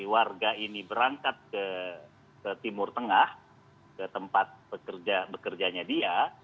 warga ini berangkat ke timur tengah ke tempat bekerjanya dia